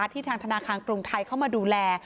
ทางธนาคารกรุงไทยเข้ามาดูแล